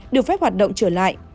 được phép hoạt động trở lại